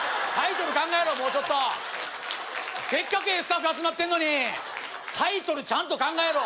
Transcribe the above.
もうちょっとせっかくええスタッフ集まってんのにタイトルちゃんと考えろ！